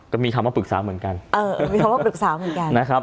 ก็มีคำว่าปรึกษาเหมือนกันเออมีคำว่าปรึกษาเหมือนกันนะครับ